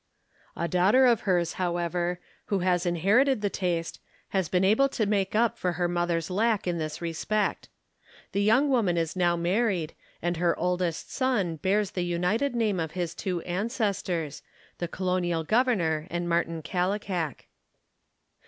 A daughter of hers, however, who has inherited the taste, has been able to make up for her mother's lack in this respect. The young woman is now married, and her oldest son bears the united name of his two ancestors, the colonial governor and Martin Kallikak.